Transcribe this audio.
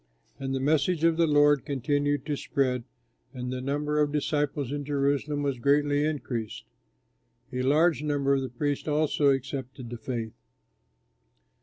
And the message of the Lord continued to spread, and the number of disciples in Jerusalem was greatly increased. A large number of the priests also accepted the faith.